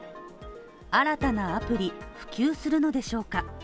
新たなアプリ普及するのでしょうか？